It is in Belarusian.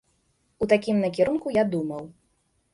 У такім накірунку я думаў.